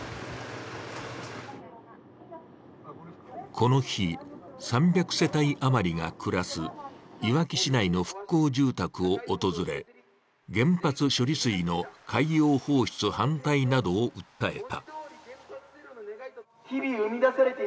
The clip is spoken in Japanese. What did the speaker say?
この日３００世帯余りが暮らすいわき市内の復興住宅を訪れ、原発処理水の海洋放出反対などを訴えた。